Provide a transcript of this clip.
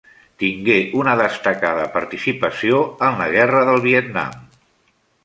Tingué una destacada participació en la Guerra del Vietnam.